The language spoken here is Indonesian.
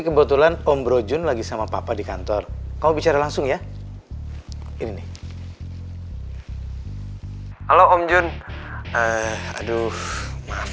kebetulan om bro jun lagi sama papa di kantor kau bicara langsung ya ini nih halo om jun aduh maaf